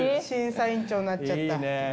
審査員長になっちゃった。